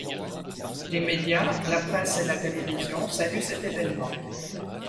Les médias, la presse et la télévision saluent cet évènement.